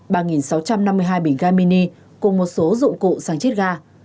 ba sáu trăm năm mươi hai bình ga mini cùng một số dụng cụ sang chiết ga